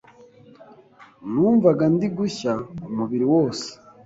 numvaga ndi gushya umubiri wose,